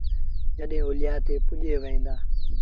جڏهيݩ اوليآ تي پُڄيٚن وهيݩ دآ